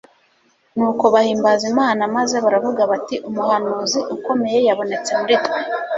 Nuko bahimbaza Imana, maze baravuga bati : «Umuhanuzi ukomeye yabonetse muri twe;